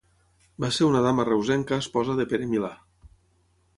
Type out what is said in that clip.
Va ser una dama reusenca esposa de Pere Milà.